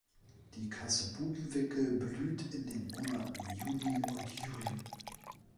Die Kassuben-Wicke blüht in den Monaten Juni und Juli.